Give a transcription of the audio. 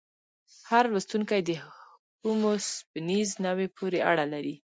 هر لوستونکی د هومو سیپینز نوعې پورې اړه لري.